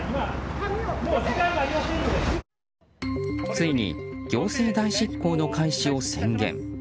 ついに行政代執行の開始を宣言。